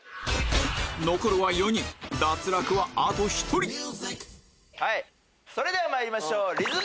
残るは４人脱落はあと１人それではまいりましょう。